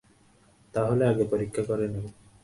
তাহলে, আগে পরীক্ষা করে নেবো।